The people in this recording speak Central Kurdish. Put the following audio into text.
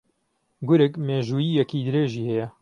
گورگ مێژوویییەکی درێژی ھەیە